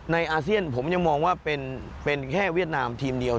อาเซียนผมยังมองว่าเป็นแค่เวียดนามทีมเดียว